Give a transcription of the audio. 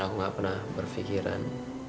aku nggak pernah berpikiran